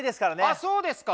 あそうですか。